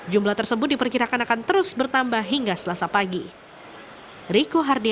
jumlah tersebut diperkirakan akan terus bertambah hingga selasa pagi